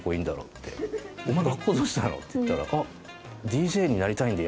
「お前学校どうしたの？」って言ったら。